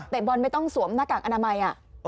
บอลไม่ต้องสวมหน้ากากอนามัย